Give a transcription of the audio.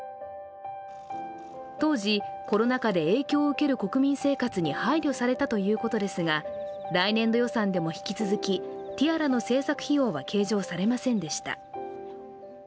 当時、コロナ禍で影響を受ける国民生活に配慮されたということですが、来年度予算でも引き続きティアラの制作費用は計上されませんでした。